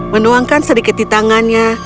menuangkan sedikit di tangannya